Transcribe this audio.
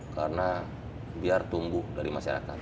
karena biar tumbuh dari masyarakat